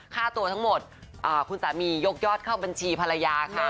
ค่าตัวทั้งหมดคุณสามียกยอดเข้าบัญชีภรรยาค่ะ